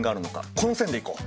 この線でいこう！